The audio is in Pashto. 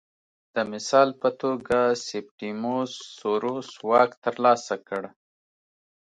د مثال په توګه سیپټیموس سوروس واک ترلاسه کړ